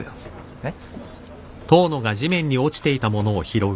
えっ？